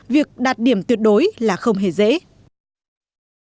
việc đạt điểm tuyệt đối là không hiểu